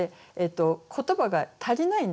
言葉が足りないんですよ。